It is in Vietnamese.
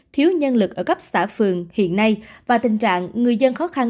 thiếu nhân lực ở cấp xã phường hiện nay và tình trạng người dân khó khăn